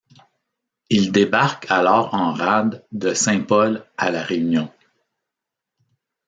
Ils débarquent alors en rade de Saint-Paul à La Réunion.